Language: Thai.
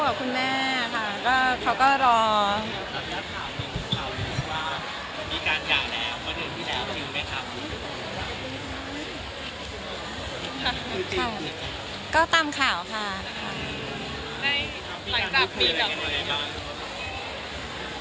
อยากไปเที่ยวตลอดนะคะคนนั้นเค้าชอบไปเที่ยวคุณแม่เค้าก็รอ